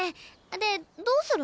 でどうするの？